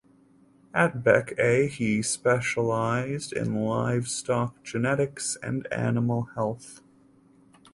At BecA he specialised in livestock genetics and animal health.